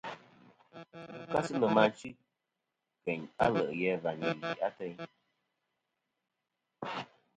Ndu kasi lem achɨ keyn alè' ghè a và li lì ateyn.